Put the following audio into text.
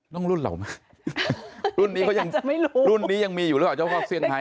นั่งรุ่นเหล่าไหมรุ่นนี้เขายังรุ่นนี้ยังมีอยู่หรือเปล่าเจ้าพ่อเซียงไฮท์